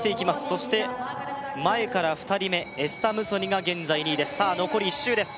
そして前から２人目エスタ・ムソニが現在２位ですさあ残り１周です